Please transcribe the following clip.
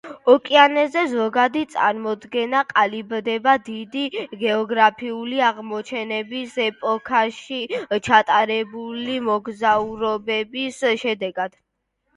ოკეანეზე ზოგადი წარმოდგენა ყალიბდება დიდი გეოგრაფიული აღმოჩენების ეპოქაში ჩატარებული მოგზაურობების შედეგად.